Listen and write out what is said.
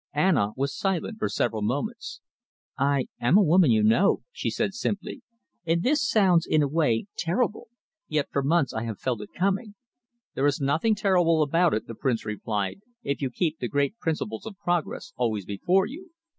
Anna was silent for several moments. "I am a woman, you know," she said simply, "and this sounds, in a way, terrible. Yet for months I have felt it coming." "There is nothing terrible about it," the Prince replied, "if you keep the great principles of progress always before you.